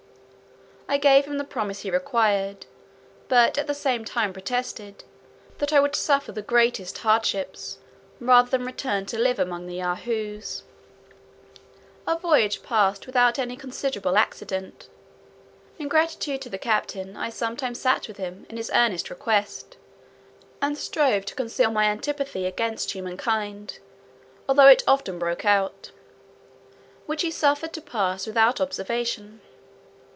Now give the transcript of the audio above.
I gave him the promise he required; but at the same time protested, "that I would suffer the greatest hardships, rather than return to live among Yahoos." Our voyage passed without any considerable accident. In gratitude to the captain, I sometimes sat with him, at his earnest request, and strove to conceal my antipathy against humankind, although it often broke out; which he suffered to pass without observation.